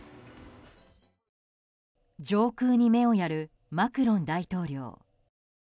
上空に目をやるマクロン大統領。